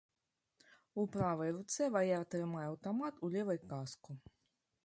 У правай руцэ ваяр трымае аўтамат, у левай каску.